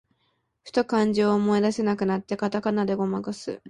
ふと漢字を思い出せなくなって、カタカナでごまかす